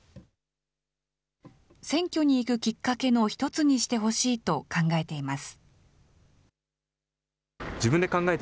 選挙に行くきっかけの一つにしてほしいと考えています。